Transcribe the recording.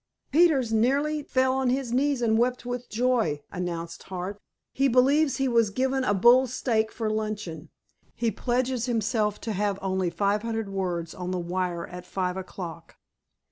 "Peters nearly fell on his knees and wept with joy," announced Hart. "He believes he was given a bull steak for luncheon. He pledges himself to have only five hundred words on the wire at five o'clock."